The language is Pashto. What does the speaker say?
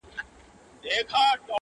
كوم ولات كي يې درمل ورته ليكلي!